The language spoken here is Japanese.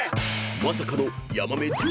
［まさかの］